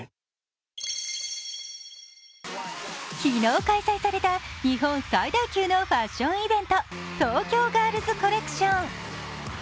昨日開催された日本最大級のファッションイベント、東京ガールズコレクション。